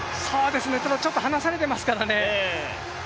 ただちょっと離されていますからね。